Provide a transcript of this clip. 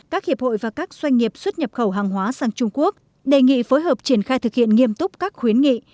các hiệp hội và các doanh nghiệp xuất nhập khẩu hàng hóa sang trung quốc đề nghị phối hợp triển khai thực hiện nghiêm túc các khuyến nghị